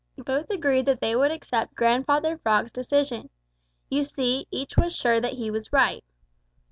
Both agreed that they would accept Grandfather Frog's decision. You see, each was sure that he was right.